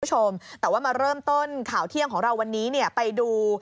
คุณผู้ชมแต่ว่ามาเริ่มต้นข่าวเที่ยงของเราวันนี้เนี่ยไปดู